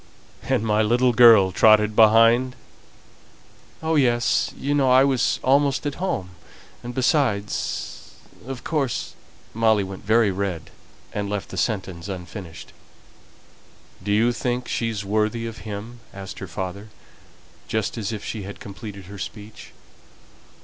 "And my little girl trotted behind?" "Oh, yes. You know I was almost at home, and besides of course " Molly went very red, and left the sentence unfinished. "Do you think she's worthy of him?" asked her father, just as if she had completed her speech.